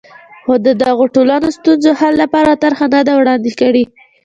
خو د دغو ټولنو ستونزو حل لپاره طرحه نه ده وړاندې کړې.